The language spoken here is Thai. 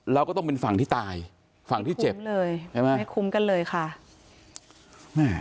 เราก็ต้องเป็นฝั่งที่ตายฝั่งที่เจ็บคุ้มเลยใช่ไหมไม่คุ้มกันเลยค่ะแม่